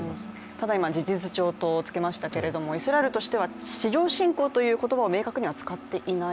ただ今、事実上とつけましたけれども、イスラエルとしては地上侵攻という言葉を明確には使っていない？